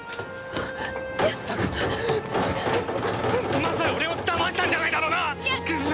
まさか俺を騙したんじゃないだろうな！？